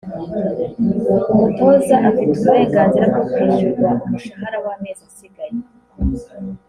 umutoza afite uburenganzira bwo kwishyurwa umushahara w’amezi asigaye